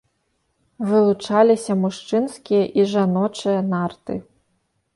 Вылучаліся мужчынскія і жаночыя нарты.